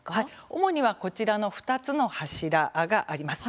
主にはこちらの２つの柱があります。